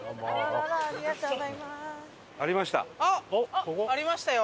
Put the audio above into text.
あっありましたよ！